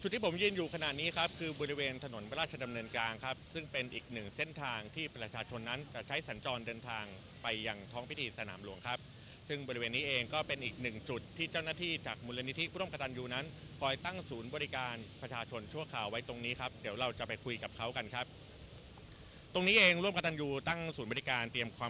ที่ผมยืนอยู่ขนาดนี้ครับคือบริเวณถนนเวลาชนำเนินกลางครับซึ่งเป็นอีกหนึ่งเส้นทางที่ประชาชนนั้นจะใช้สัญจรเดินทางไปอย่างท้องพิธีสนามหลวงครับซึ่งบริเวณนี้เองก็เป็นอีกหนึ่งจุดที่เจ้าหน้าที่จากมูลนิธิพุทธมกตันยูนั้นปล่อยตั้งศูนย์บริการประชาชนชั่วข่าวไว้ตรงนี้ครับเดี๋ยวเรา